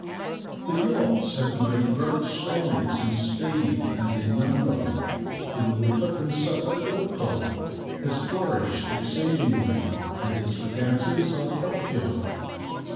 The yachts have made great strides in speed and in number. The Norfolk and Suffolk Yacht Club has flourished exceedingly, and its regattas are popular.